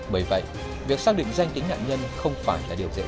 bởi vậy việc xác định danh tính nạn nhân không phải là điều dễ